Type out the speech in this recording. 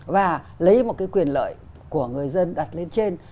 và lấy một cái quyền lợi của người dân đặt lên trên